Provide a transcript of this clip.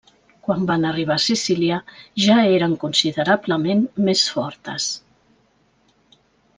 Quan van arribar a Sicília, ja eren considerablement més fortes.